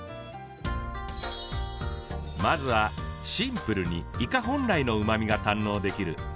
まずはシンプルにイカ本来のうまみが堪能できる刺身。